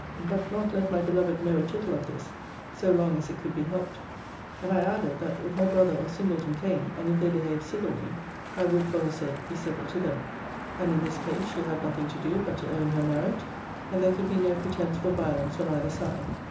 But not let my beloved know a tittle of this, so long as it could be helped. And I added, that if her brother or Singleton came, and if they behaved civilly, I would, for her sake, be civil to them: and in this case, she had nothing to do but to own her marriage, and there could be no pretence for violence on either side.